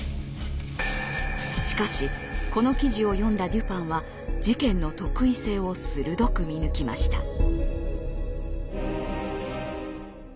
しかしこの記事を読んだデュパンは事件の特異性を鋭く見抜きました。